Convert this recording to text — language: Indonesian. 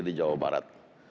tadi di jawa barat